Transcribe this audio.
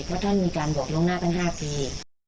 เพราะท่านมีการบวกลงหน้ากัน๕ปี